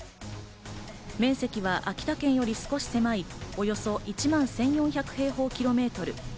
面積は秋田県より少し狭いおよそ１万１４００平方キロメートル。